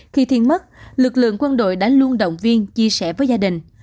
khi thiên mất lực lượng quân đội đã luôn động viên chia sẻ với gia đình